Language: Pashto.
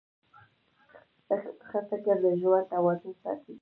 ښه فکر د ژوند توازن ساتي.